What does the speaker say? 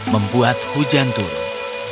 membuat hujan turun